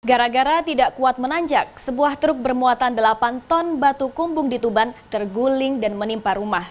gara gara tidak kuat menanjak sebuah truk bermuatan delapan ton batu kumbung di tuban terguling dan menimpa rumah